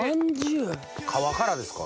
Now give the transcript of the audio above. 皮からですか？